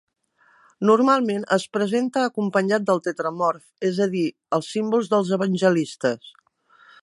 Normalment es presenta acompanyat del Tetramorf, és a dir, els símbols dels evangelistes.